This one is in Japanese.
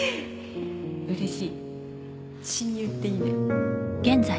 うれしい親友っていいね